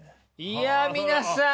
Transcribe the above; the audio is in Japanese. いや皆さん。